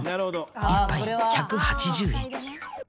１杯１８０円。